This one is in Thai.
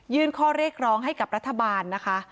ข้อเรียกร้องให้กับรัฐบาลนะคะ